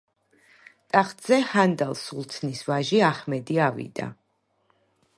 ტახტზე ჰანდან სულთნის ვაჟი აჰმედი ავიდა.